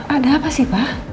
ada apa sih pa